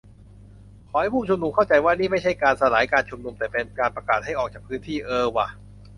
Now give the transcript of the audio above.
"ขอให้ผู้ชุมนุมเข้าใจว่า นี่ไม่ใช่การสลายการชุมนุม แต่เป็นการประกาศให้ออกจากพื้นที่" เออว่ะ